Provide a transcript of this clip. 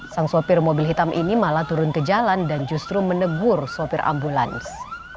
sang sopir mobil hitam ini malah turun ke jalan dan justru menegur sopir ambulans